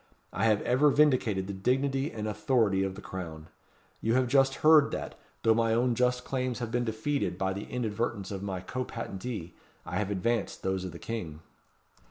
I have ever vindicated the dignity and authority of the Crown. You have just heard that, though my own just claims have been defeated by the inadvertence of my co patentee, I have advanced those of the King."